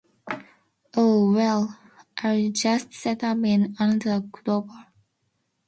Oh well, I'll just set up in another Qdoba.